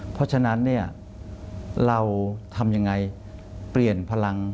เพราะฉะนั้นเนี่ยเราทำยังไงเปลี่ยนพลัง